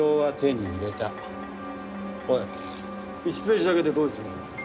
おい１ページだけってどういうつもりだ？